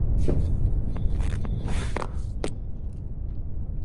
Debutó en un bar propiedad de unos amigos en la localidad zaragozana de Carenas.